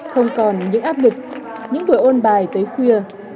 không còn những áp lực những buổi ôn bài tới khuya